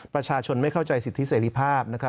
ประชาชนไม่เข้าใจสิทธิเสรีภาพ